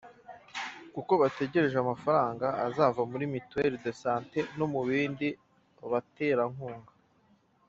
kuko bategereje amafaranga azava muri mutuel de santé no mu bandi baterankunga